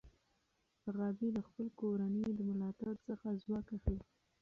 غابي د خپل کورنۍ د ملاتړ څخه ځواک اخلي.